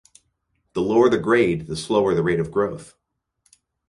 The lower the grade the slower the rate of growth.